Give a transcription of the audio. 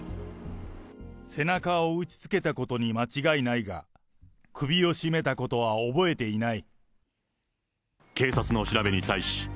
背中を打ちつけたことに間違いないが、首を絞めたことは覚えていない。